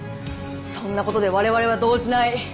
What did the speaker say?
そんなことで我々は動じない。